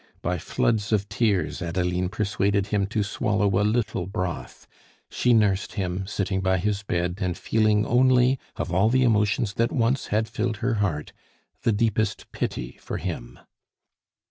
By floods of tears, Adeline persuaded him to swallow a little broth; she nursed him, sitting by his bed, and feeling only, of all the emotions that once had filled her heart, the deepest pity for him.